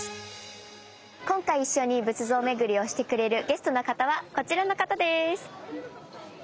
今回一緒に仏像巡りをしてくれるゲストの方はこちらの方です。